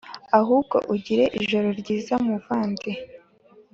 ahubwo ugire ijoro ryiza muvandi